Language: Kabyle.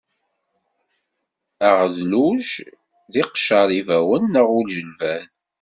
Aɣedluj d iqcer ibawen neɣ ujilban.